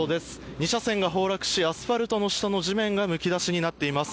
２車線が崩落し、アスファルトの下の地面がむき出しになっています。